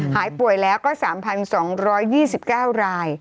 หายป่วยแล้วก็๓๒๒๙ราย